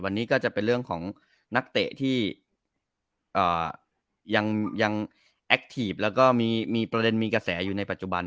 วันนี้ก็จะเป็นเรื่องของนักเตะที่ยังแอคทีฟแล้วก็มีประเด็นมีกระแสอยู่ในปัจจุบัน